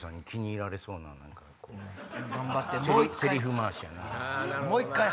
セリフ回しやな。